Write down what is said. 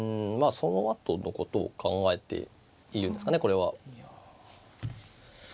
そのあとのことを考えているんですかねこれは。